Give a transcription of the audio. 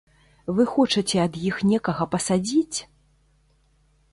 Вы хочаце ад іх некага пасадзіць?